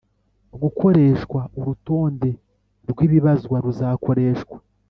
Gukoreshwa urutonde rw ibibazwa ruzakoreshwa